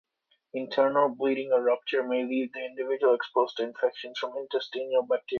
Internal bleeding or rupture may leave the individual exposed to infections from intestinal bacteria.